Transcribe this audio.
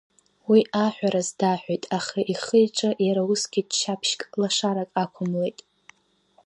Уи ааҳәраз дааҳәит, аха ихы-иҿы иара усгьы ччаԥшьк, лашарак аақәымлеит.